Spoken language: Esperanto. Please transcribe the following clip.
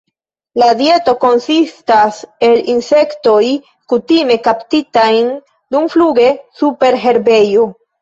La dieto konsistas el insektoj, kutime kaptitajn dumfluge super herbejo.